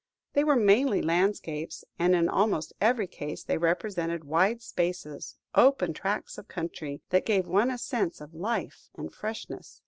They were mainly landscapes, and in almost every case they represented wide spaces, open tracts of country, that gave one a sense of life and freshness.